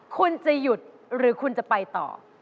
คุณจะหยุดหรือคุณจะไปต่อ